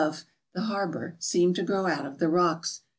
KETCH I KAN the harbour, seem to grow out of the rocks.